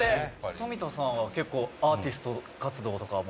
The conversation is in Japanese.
富田さんは、結構アーティスト活動とかも。